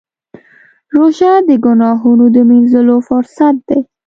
روژه د ګناهونو د مینځلو فرصت دی.